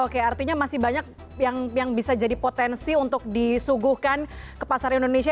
oke artinya masih banyak yang bisa jadi potensi untuk disuguhkan ke pasar indonesia